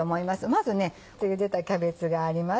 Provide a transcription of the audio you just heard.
まずねゆでたキャベツがあります。